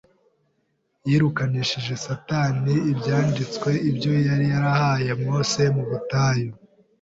Yirukanishije Satani Ibyanditswe; ibyo yari yarahaye Mose mu butayu